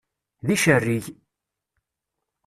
D icerrig!